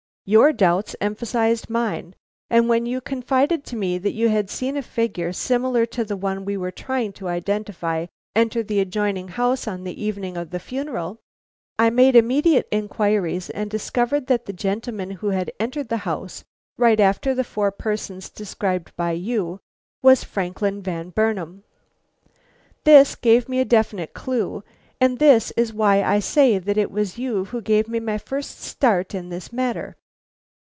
Your doubts emphasized mine, and when you confided to me that you had seen a figure similar to the one we were trying to identify, enter the adjoining house on the evening of the funeral, I made immediate inquiries and discovered that the gentleman who had entered the house right after the four persons described by you was Franklin Van Burnam. This gave me a definite clue, and this is why I say that it was you who gave me my first start in this matter."